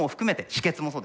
止血もそうです。